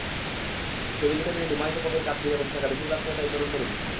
টেবিলে টেবিলে ধূমায়িত কফির কাপ ঘিরে বসে থাকা বেশির ভাগ ক্রেতাই তরুণ–তরুণী।